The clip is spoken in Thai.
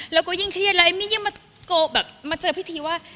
เราก็ยิ่งเครียดแล้วเอ็มมี่ยังมาเจอพิธีว่า